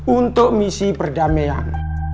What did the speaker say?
untuk misi perdamaian